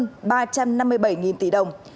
tài hạn lên tới hơn ba trăm năm mươi bảy nghìn tỷ đồng